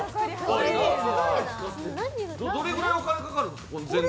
どれぐらいお金かかるの、全部で。